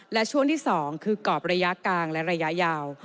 และช่วงที่๒คือกรอบระยะกลางและระยะยาว